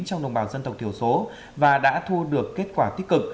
trong đồng bào dân tộc thiểu số và đã thu được kết quả tích cực